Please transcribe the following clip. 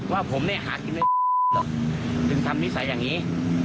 ว่าผมเนี่ยหาดกินหรอกถึงทำนิสัยอย่างงี้